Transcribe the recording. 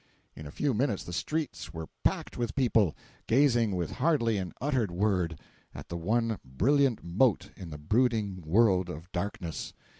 In a few minutes the streets were packed with people, gazing with hardly an uttered word, at the one brilliant mote in the brooding world of darkness.